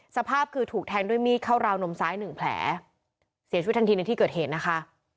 สภาพคือถูกแทงด้วยมีดเข้าราวนมซ้ายหนึ่งแผลเสียชีวิตทันทีในที่เกิดเหตุนะคะ